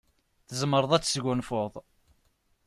Tzemreḍ ad tesgunfuḍ.